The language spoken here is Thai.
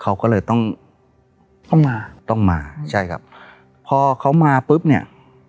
เขาก็เลยต้องต้องมาต้องมาใช่ครับพอเขามาปุ๊บเนี่ย